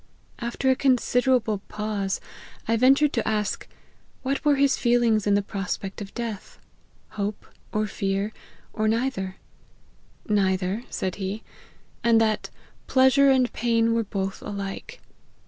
" After a considerable pause, I ventured to ask, 1 what were his feelings in the prospect of death ; hope, or fear ; or neither ?'* Neither,' said he ; and that ' pleasure and pain were both alike.'